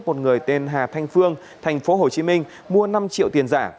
một người tên hà thanh phương tp hcm mua năm triệu tiền giả